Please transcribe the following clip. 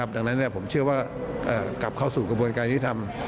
ดังนั้นผมเชื่อว่ากลับเข้าสู่กระบวนการยุทธรรม